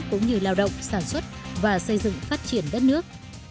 cũng như lao động sản xuất và xây dựng phát triển đất nước